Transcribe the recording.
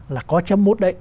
là có chấm mút đấy